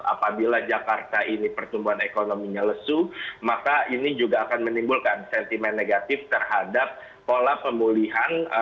apabila jakarta ini pertumbuhan ekonominya lesu maka ini juga akan menimbulkan sentimen negatif terhadap pola pemulihan